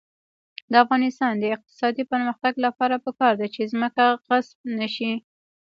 د افغانستان د اقتصادي پرمختګ لپاره پکار ده چې ځمکه غصب نشي.